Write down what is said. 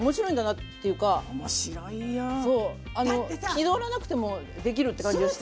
気取らなくてもできるって感じがして。